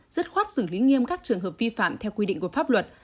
dứt khoát xử lý nghiêm các trường hợp vi phạm theo quy định của pháp luật